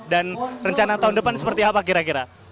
dan rencana tahun depan seperti apa kira kira